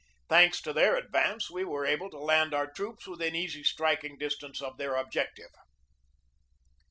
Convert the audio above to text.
Thanks to their advance, we were able to land our troops within easy striking distance of their objective.